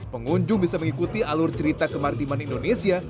pengunjung bisa mengikuti alur cerita kemaritiman indonesia